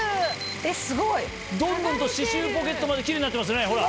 えすごい！どんどんと歯周ポケットまでキレイになってますねほら。